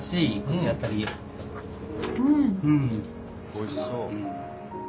おいしそう。